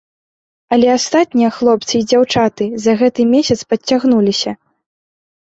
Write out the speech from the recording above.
Але астатнія хлопцы і дзяўчаты за гэты месяц падцягнуліся.